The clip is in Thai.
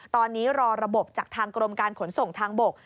ตอนนี้รอระบบจากทางกรมการขนส่งทางบก